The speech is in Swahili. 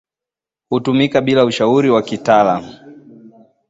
hutumika bila ushauri wa kitaalamu